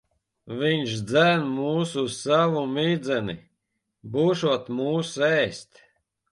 Viņš dzen mūs uz savu midzeni. Būšot mūs ēst.